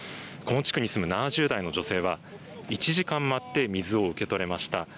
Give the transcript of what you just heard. この地区に住む７０代の女性は１時間待って水を受け取れました。